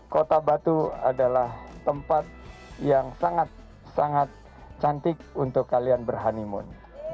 kota batu adalah tempat yang sangat sangat cantik untuk kalian berhoneymoon